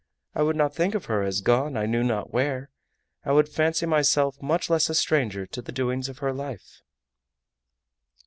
I would not think of her as gone I knew not where. I would fancy myself much less a stranger to the doings of her life."